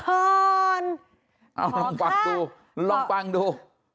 เอาลองฟังดูลองฟังดู